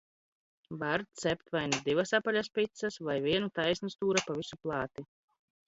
Var cept vai nu divas apaļas picas, vai vienu taisnstūra pa visu plāti.